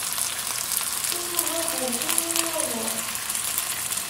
D tayuga n uwtul d uyaziḍ.